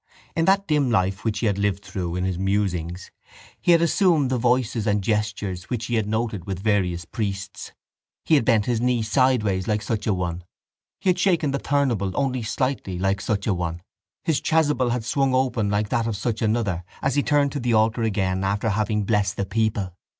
In that dim life which he had lived through in his musings he had assumed the voices and gestures which he had noted with various priests. He had bent his knee sideways like such a one, he had shaken the thurible only slightly like such a one, his chasuble had swung open like that of such another as he turned to the altar again after having blessed the people.